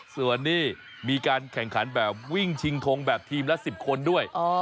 ส่วนนี้มีการแข่งขันแบบวิ่งชิงทงแบบทีมละ๑๐คนด้วย